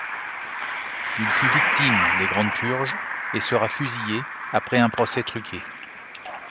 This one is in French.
Il fut victime des Grandes Purges et sera fusillé après un procès truqué.